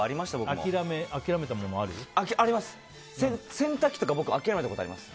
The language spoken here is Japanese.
洗濯機とか僕諦めたことあります。